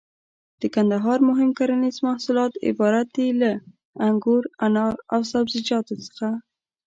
د کندهار مهم کرنيز محصولات عبارت دي له: انګور، انار او سبزيجاتو څخه.